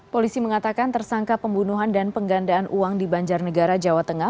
polisi mengatakan tersangka pembunuhan dan penggandaan uang di banjarnegara jawa tengah